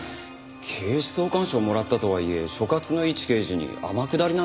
警視総監賞もらったとはいえ所轄のいち刑事に天下りなんてないですよね。